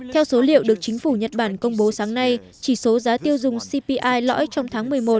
theo số liệu được chính phủ nhật bản công bố sáng nay chỉ số giá tiêu dùng cpi lõi trong tháng một mươi một